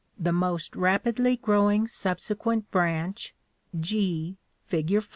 The most rapidly growing subsequent branch, G, fig.